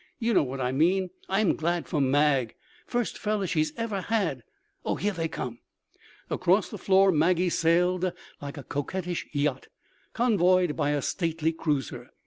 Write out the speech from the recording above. You know what I mean. I'm glad for Mag. First fellow she ever had. Oh, here they come." Across the floor Maggie sailed like a coquettish yacht convoyed by a stately cruiser.